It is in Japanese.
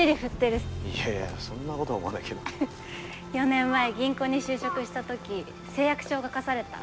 ４年前銀行に就職した時誓約書を書かされた。